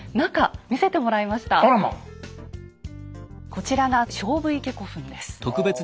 こちらが菖蒲池古墳です。